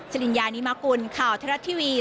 สิริญญานิมากุลข่าวอเทศรัทย์ทีวี